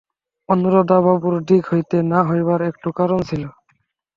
অন্নদাবাবুর দিক হইতে না হইবার একটু কারণ ছিল।